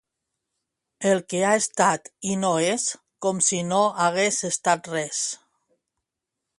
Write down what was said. El que ha estat i no és, com si no hagués estat res.